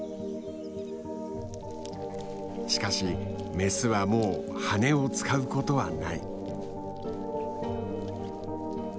しかしメスはもう羽を使うことはない。